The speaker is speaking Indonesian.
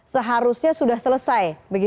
seharusnya sudah selesai